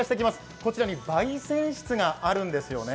こちらにばい煎室があるんですよね。